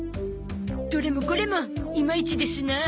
どれもこれもイマイチですな。